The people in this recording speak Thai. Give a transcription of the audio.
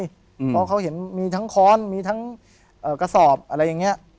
เพราะเขาเห็นมีทั้งค้อนมีทั้งกระสอบอะไรอย่างนี้